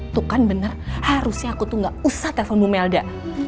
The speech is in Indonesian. itu kan benar harusnya aku tuh gak usah telfon bu melda